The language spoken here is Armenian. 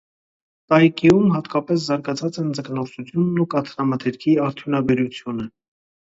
Տայկիում հատկապես զարգացած են ձկնորսությունն ու կաթնամթերքի արդյունաբերությունը։